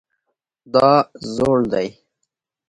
دا زوړ دی